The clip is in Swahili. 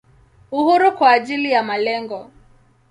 Uhuru kwa ajili ya malengo.